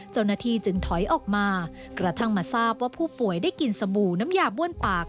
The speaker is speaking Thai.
เจ้าหน้าที่จึงถอยออกมากระทั่งมาทราบว่าผู้ป่วยได้กินสบู่น้ำยาบ้วนปาก